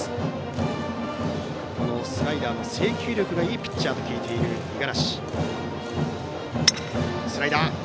スライダーの制球力がいいピッチャーと聞いている五十嵐。